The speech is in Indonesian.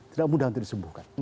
tidak mudah untuk disembuhkan